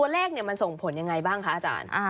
เลขมันส่งผลยังไงบ้างคะอาจารย์